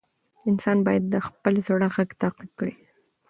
انسان باید د خپل زړه غږ تعقیب کړي.